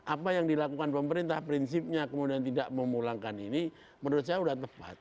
apa yang dilakukan pemerintah prinsipnya kemudian tidak memulangkan ini menurut saya sudah tepat